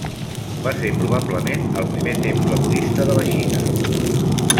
Va ser probablement el primer temple budista de la Xina.